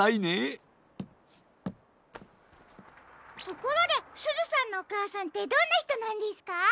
ところですずさんのおかあさんってどんなひとなんですか？